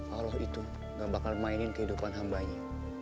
allah itu gak bakal mainin kehidupan hambanya